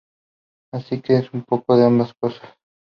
Así que es un poco de ambas cosas!